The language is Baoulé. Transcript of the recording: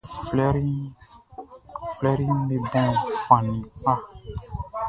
Flɛriʼm be bon fan ni kpa.